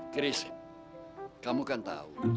kris kamu kan tahu